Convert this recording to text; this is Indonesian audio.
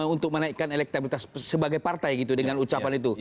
untuk menaikkan elektabilitas sebagai partai gitu dengan ucapan itu